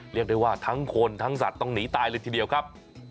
เรียกได้ว่าทั้งคนทั้งสัตว์ต้องหนีตายเลยทีเดียวครับ